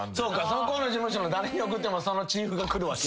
そこの事務所の誰に送ってもそのチーフが来るわけや。